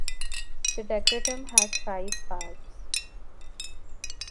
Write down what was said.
The "Decretum" has five parts.